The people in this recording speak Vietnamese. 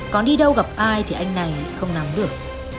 còn đi đâu gặp ai thì anh này không nắm được